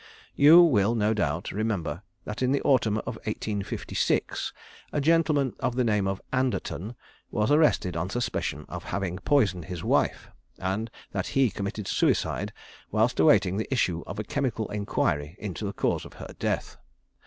"You will, no doubt, remember that in the autumn of 1856 a gentleman of the name of Anderton was arrested on suspicion of having poisoned his wife, and that he committed suicide whilst awaiting the issue of a chemical enquiry into the cause of her death.